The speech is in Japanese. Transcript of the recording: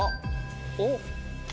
おっ！